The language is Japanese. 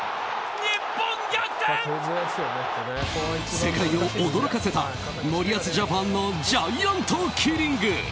世界を驚かせた森保ジャパンのジャイアントキリング。